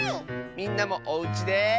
みんなもおうちで。